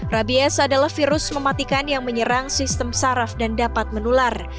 rabies adalah virus mematikan yang menyerang sistem saraf dan dapat menular